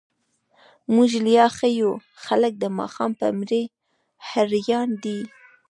موږ ليا ښه يو، خلګ د ماښام په مړۍ هريان دي.